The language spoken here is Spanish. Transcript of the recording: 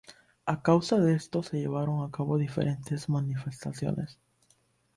A causa de esto, se llevaron a cabo diversas manifestaciones.